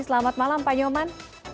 selamat malam pak inyoman